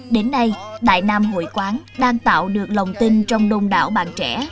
đến nay đại nam hội quán đang tạo được lòng tin trong đông đảo bạn trẻ